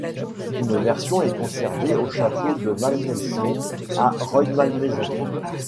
Une version est conservé au Château de Malmaison à Rueil-Malmaison.